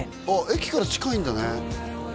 駅から近いんだね